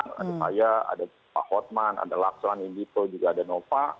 ada saya ada pak hotman ada laksan indito juga ada nova